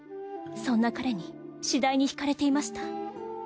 そんな彼にしだいにひかれていました。